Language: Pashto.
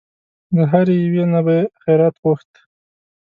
له هرې یوې نه به یې خیرات غوښت.